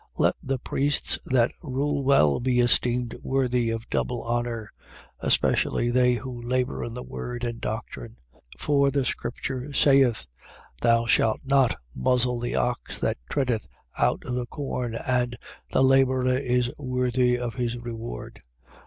5:17. Let the priests that rule well be esteemed worthy of double honour: especially they who labour in the word and doctrine. 5:18. For the scripture saith: Thou shalt not muzzle the ox that treadeth out the corn: and, The labourer is worthy of his reward.